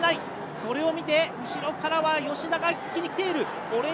それを見て後ろからは吉田が一気に来ている！